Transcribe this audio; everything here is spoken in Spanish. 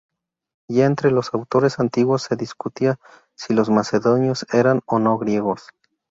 Ya entre los autores antiguos se discutía si los macedonios eran o no griegos.